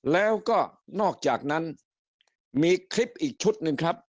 แล้วก็นอกจากนั้นมีคลิปอีกชุดหนึ่งครับ